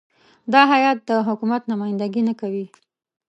دا هیات د حکومت نمایندګي نه کوي.